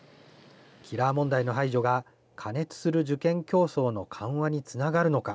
キラー問題の排除が過熱する受験競争の緩和につながるのか。